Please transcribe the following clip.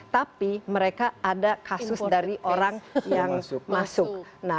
tapi mereka ada kasus dari orang yang masuk